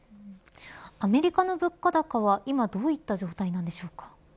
アメリカの物価高は今どういった状態なんでしょうか。